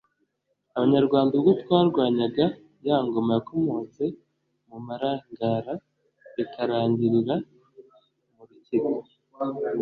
Abanyarwanda ubwo twarwanyaga ya ngoma yakomotse mu Marangara ikarangirira mu Rukiga